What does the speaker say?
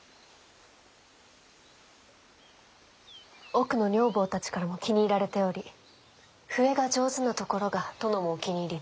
奥の女房たちからも気に入られており笛が上手なところが殿もお気に入りで。